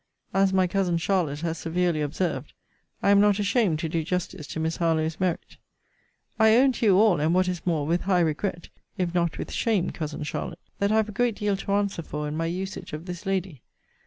'As my cousin Charlotte has severely observed, I am not ashamed to do justice to Miss Harlowe's merit. 'I own to you all, and, what is more, with high regret, (if not with shame, cousin Charlotte,) that I have a great deal to answer for in my usage of this lady.